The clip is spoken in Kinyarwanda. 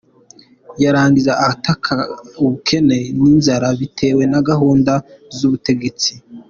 Yarangiza agataka ubukene n’inzara bitewe na gahunda z’ubutegetsi!